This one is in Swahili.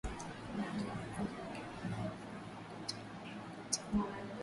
ni mmoja ya makundi yanayofanya ukatili mkubwa kati ya